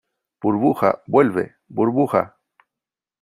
¡ burbuja , vuelve !¡ burbuja !